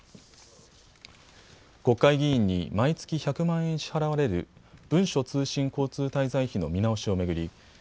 国会議員に毎月１００万円支払われる文書通信交通滞在費の見直しを巡り